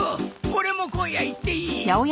オレも今夜行っていい？